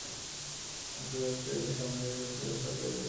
মার্কিন যুক্তরাষ্ট্রে শ্রমজীবী দরিদ্রদের সরকারি সংখ্যা বিতর্কিত।